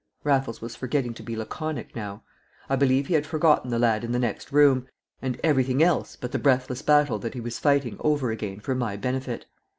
Raffles was forgetting to be laconic now. I believe he had forgotten the lad in the next room, and everything else but the breathless battle that he was fighting over again for my benefit.